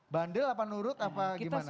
bandel apa nurut apa gimana